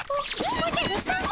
おおじゃるさま？